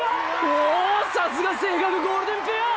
おおさすが青学ゴールデンペア！